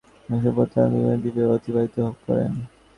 তিনি তাহিতি সহ প্রশান্ত মহাসাগরের প্রত্যন্ত বিভিন্ন দ্বীপে অতিবাহিত করেন।